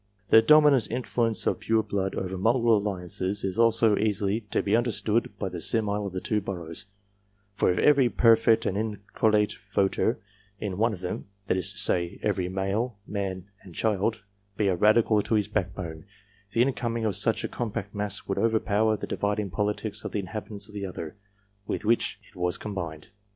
The dominant influence of pure blood over mongrel alliances is also easily to be understood by the simile of the two boroughs ; for if every perfect and inchoate A A 354 GENERAL CONSIDERATIONS voter in one of them that is to say, every male, man and child be a radical to his backbone, the incoming of such a compact mass would overpower the divided politics of the inhabitants of the other, with which it was combined.